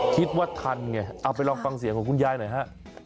คิดว่าทันไงเอาไปลองฟังเสียงของคุณยายหน่อยฮะ